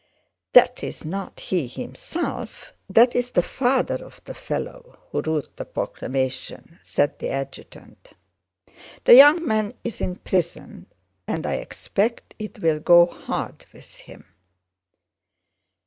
"That's not he himself, that's the father of the fellow who wrote the proclamation," said the adjutant. "The young man is in prison and I expect it will go hard with him."